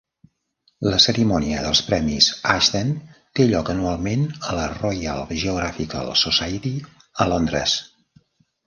La cerimònia dels Premis Ashden té lloc anualment a la Royal Geographical Society a Londres.